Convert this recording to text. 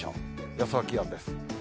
予想気温です。